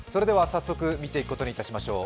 早速見ていくことにしましょう。